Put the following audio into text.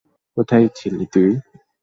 কোথায় ছিলি তুই?